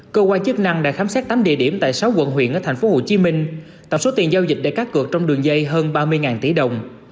cơ quan chức năng đã khám xét tám địa điểm tại sáu quận huyện ở tp hcm tổng số tiền giao dịch để cắt cược trong đường dây hơn ba mươi tỷ đồng